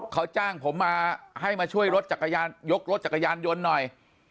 เขาจ้างผมมาให้มาช่วยรถจักรยานยกรถจักรยานยนต์หน่อย